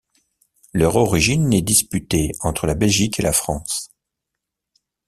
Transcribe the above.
Leur origine est disputée entre la Belgique et la France.